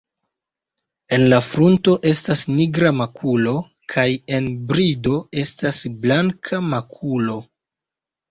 En la frunto estas nigra makulo kaj en brido estas blanka makulo.